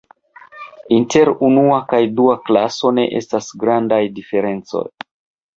Inter unua kaj dua klaso ne estas grandaj diferencoj.